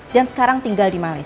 dan sekarang tinggal di malaysia